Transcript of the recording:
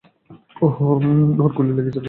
ওর গুলি লেগেছে, ম্যাভ।